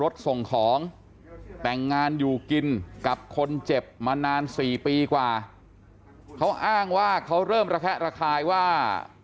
ส่งของแต่งงานอยู่กินกับคนเจ็บมานาน๔ปีกว่าเขาอ้างว่าเขาเริ่มระแคะระคายว่า